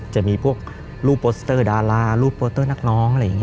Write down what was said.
จะมีรูปโปสเตอร์ดารารูปโปสเตอร์นักน้อง